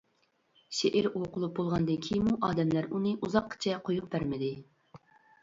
شېئىر ئوقۇلۇپ بولغاندىن كېيىنمۇ ئادەملەر ئۇنى ئۇزاققىچە قويۇپ بەرمىدى.